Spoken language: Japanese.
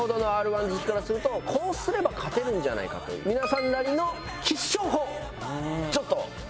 １好きからするとこうすれば勝てるんじゃないかという皆さんなりの必勝法ちょっと教えて頂ければ。